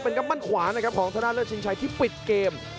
เป็นกำปั้นขวานะครับของธนาเลิศชิงชัยที่ปิดเกม